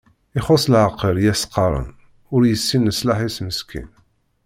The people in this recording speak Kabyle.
Ixuṣ leɛqel i as-qqaren, ur yessin leṣlaḥ-is meskin.